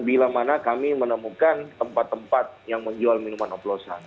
bila mana kami menemukan tempat tempat yang menjual minuman oplosan